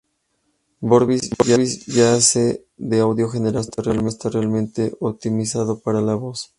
Vorbis ya hace de audio general, pero no está realmente optimizado para la voz.